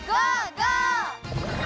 ゴー！